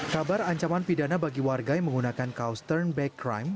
kabar ancaman pidana bagi warga yang menggunakan kaos turn back crime